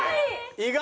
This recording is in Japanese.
意外！